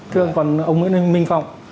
còn ông nguyễn minh phong